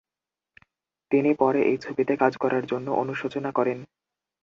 তিনি পরে এই ছবিতে কাজ করার জন্য অনুশোচনা করেন।